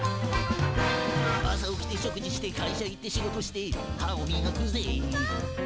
「朝起きて食事して会社行って仕事して歯をみがくぜ」